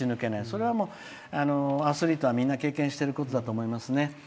それはアスリートはみんな経験していることだと思いますね。